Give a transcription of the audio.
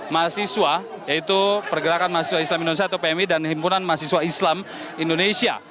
mahasiswa yaitu pergerakan mahasiswa islam indonesia atau pmi dan himpunan mahasiswa islam indonesia